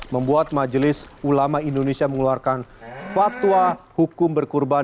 membuat majelis ulama indonesia mengeluarkan fatwa hukum berkurban